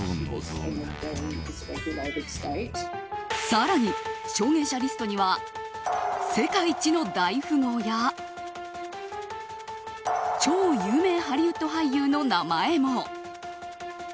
更に、証言者リストには世界一の大富豪や超有名ハリウッド俳優の名前も。